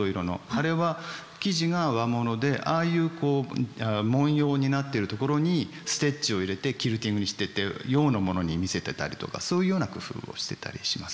あれは生地が和物でああいう文様になってるところにステッチを入れてキルティングにしてって洋のものに見せてたりとかそういうような工夫をしてたりします。